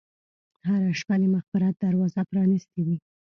هره شپه د مغفرت دروازه پرانستې وي.